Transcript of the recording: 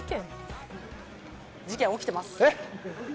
事件が起きてます。